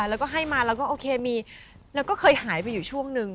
แล้วก็ให้มาแล้วก็โอเคมีแล้วก็เคยหายไปอยู่ช่วงนึง